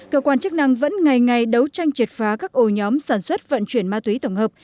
cơ quan chức năng vẫn ngày ngày đấu tranh triệt phá các ổ nhóm sản xuất vận chuyển ma túy tổng hợp